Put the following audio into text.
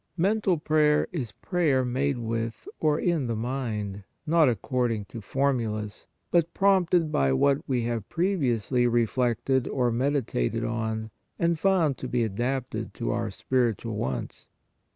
Mental prayer is prayer made with or in our mind, not according to formulas, but prompted by what we have pre viously reflected or meditated on and found to be adapted to our spiritual wants.